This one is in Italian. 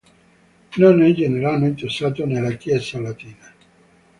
Non è generalmente usato nella Chiesa latina.